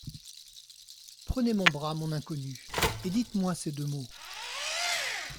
Prenez mon bras, mon inconnue, et dites-moi ces deux mots…